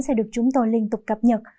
sẽ được chúng tôi liên tục cập nhật